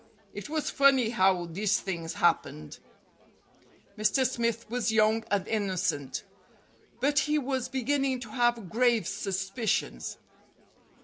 It was funny how these things happened. Mr. Smith was young and innocent, but he was ONE HOUR OF FAME 187 beginning to have grave suspicions.